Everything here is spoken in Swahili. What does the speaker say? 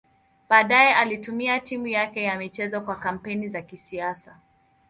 Baadaye alitumia timu yake ya michezo kwa kampeni za kisiasa.